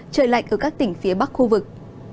trời lạnh ở các tỉnh phía bắc khu vực